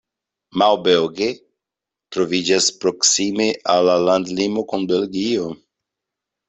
Maubeuge troviĝas proksime al la landlimo kun Belgio.